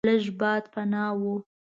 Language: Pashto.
لږ باد پناه و.